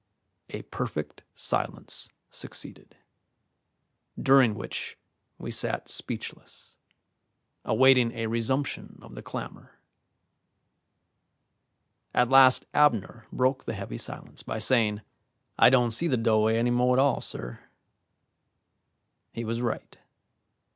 A perfect silence succeeded, during which we sat speechless, awaiting a resumption of the clamour. At last Abner broke the heavy silence by saying: "I doan' see the do'way any mo' at all, sir." He was right.